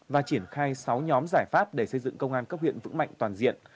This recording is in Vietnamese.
và triển khai sáu nhóm giải pháp để xây dựng công an cấp huyện vững mạnh toàn diện